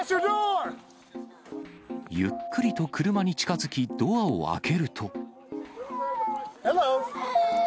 ゆっくりと車に近づき、ドアを開けると。